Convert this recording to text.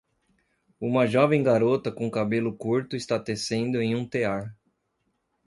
Uma jovem garota com cabelo curto está tecendo em um tear.